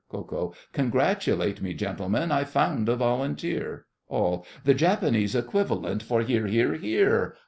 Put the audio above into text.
KO. Congratulate me, gentlemen, I've found a Volunteer! ALL. The Japanese equivalent for Hear, Hear, Hear!